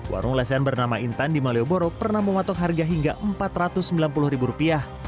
warung lesen bernama intan di malioboro pernah mematok harga hingga empat ratus sembilan puluh ribu rupiah